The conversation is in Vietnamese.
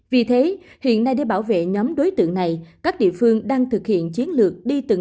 vì thế hiện nay để bảo vệ nhóm đối tượng này các địa phương đang thực hiện chiến lược đi từng